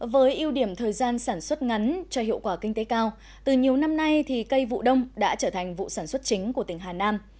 với ưu điểm thời gian sản xuất ngắn cho hiệu quả kinh tế cao từ nhiều năm nay thì cây vụ đông đã trở thành vụ sản xuất chính của tỉnh hà nam